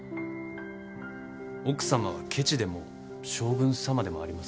奥様はけちでも将軍様でもありません。